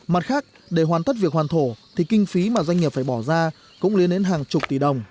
mặt khác để hoàn tất việc hoàn thổ thì kinh phí mà doanh nghiệp phải bỏ ra cũng lên đến hàng chục tỷ đồng